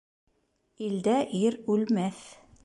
Илдә ир үлмәҫ.